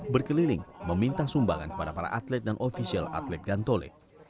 berkeliling meminta sumbangan kepada para atlet dan ofisial atlet gantole